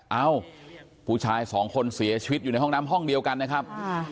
เอ้าผู้ชายสองคนเสียชีวิตอยู่ในห้องน้ำห้องเดียวกันนะครับ